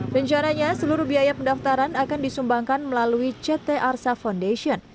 rencananya seluruh biaya pendaftaran akan disumbangkan melalui ct arsa foundation